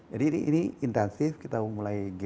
jadi ini intensif kita mulai g dua puluh